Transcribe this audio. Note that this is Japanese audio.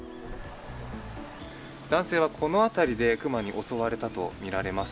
男性はこの辺りで熊に襲われたとみられます。